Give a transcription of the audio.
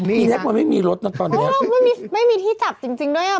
ไอ้แน็กต้องมาไม่มีรถนะตอนนี้โอ้โธ่ไม่มีที่จับจริงจริงด้วยล่ะ